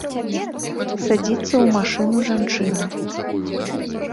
Садзіцца ў машыну жанчына.